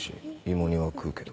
芋煮は食うけど。